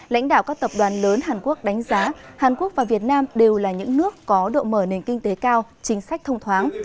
lãnh đạo các tập đoàn lớn hàn quốc đánh giá hàn quốc và việt nam đều là những nước có độ mở nền kinh tế cao chính sách thông thoáng